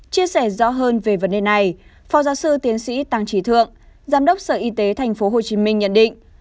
chia sẻ rõ hơn về vấn đề này phó giáo sư tiến sĩ tăng trí thượng giám đốc sở y tế tp hcm nhận định